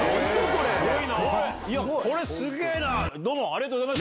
これすげぇな！